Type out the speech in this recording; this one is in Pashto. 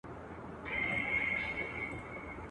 شیخ یې خوله غوږ ته نیژدې کړه چي واکمنه.